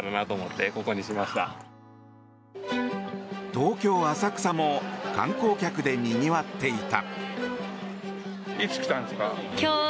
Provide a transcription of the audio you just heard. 東京・浅草も観光客でにぎわっていた。